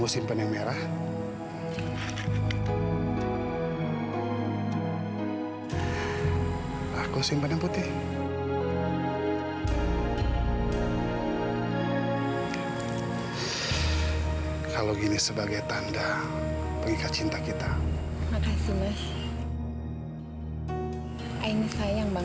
sampai jumpa di video selanjutnya